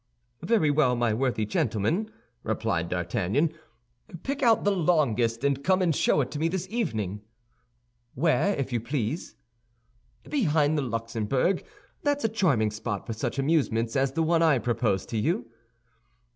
"Very well, my worthy gentleman," replied D'Artagnan, "pick out the longest, and come and show it to me this evening." "Where, if you please?" "Behind the Luxembourg; that's a charming spot for such amusements as the one I propose to you."